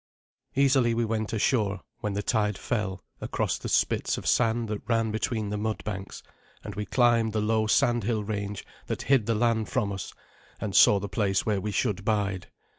Easily we went ashore when the tide fell, across the spits of sand that ran between the mud banks, and we climbed the low sandhill range that hid the land from us, and saw the place where we should bide.